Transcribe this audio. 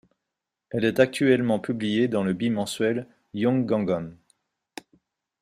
Elle est actuellement publiée dans le bimensuel Young Gangan.